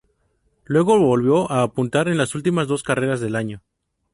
Luego volvió a puntuar en las últimas dos carreras del año.